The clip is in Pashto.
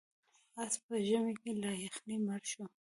اس په ژمي کې له یخنۍ مړ شو.